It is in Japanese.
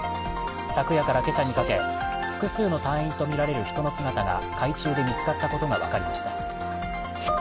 昨夜から今朝にかけ、複数の隊員とみられる人の姿が海中で見つかったことが分かりました。